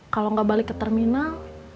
kalau nggak balik ke terminal